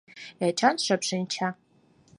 Эчан шып шинча.